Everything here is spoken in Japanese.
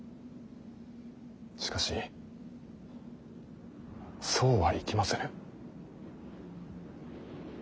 しかしそうはいきませぬ。